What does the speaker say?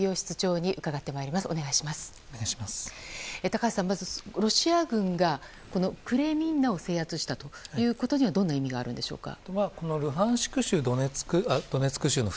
高橋さん、ロシア軍がクレミンナを制圧したということにはどんな意味があるのでしょうか。